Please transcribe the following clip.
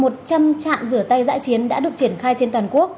một trăm linh trạm rửa tay dãi chiến đã được triển khai trên toàn quốc